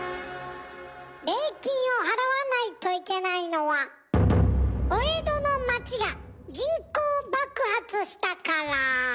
「礼金」を払わないといけないのはお江戸の町が人口爆発したから。